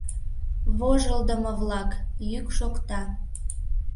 Вожылдымо-влак! — йӱк шокта...